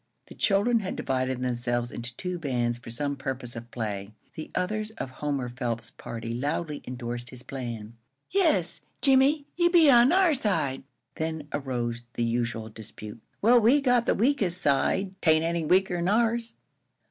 The children had divided themselves into two bands for some purpose of play. The others of Homer Phelps's party loudly endorsed his plan. "Yes, Jimmie, you be on our side." Then arose the usual dispute. "Well, we got the weakest side." "'Tain't any weaker'n ours."